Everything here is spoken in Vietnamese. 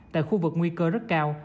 tại khu vực nguy cơ rất cao